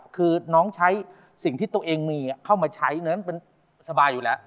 คือน้องใช้สิ่งที่ตัวเองมีเข้ามาใช้นั้นเป็นสบายอยู่แล้ว